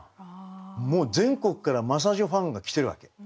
もう全国から真砂女ファンが来てるわけ。